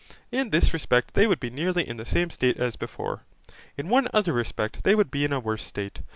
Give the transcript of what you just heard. In this respect they would be nearly in the same state as before. In one other respect they would be in a worse state.